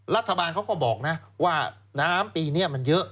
รัฐบาลเขาก็บอกนะว่าน้ำปีนี้มันเยอะ